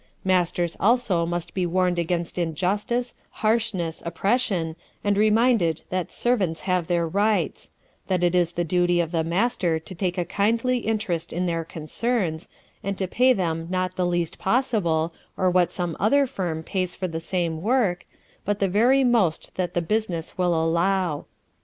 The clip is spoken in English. Masters also must be warned against injustice, harshness, oppression, and reminded that servants have their rights; that it is the duty of the master to take a kindly interest in their concerns, and to pay them not the least possible, or what some other firm pays for the same work, but the very most that the business will allow.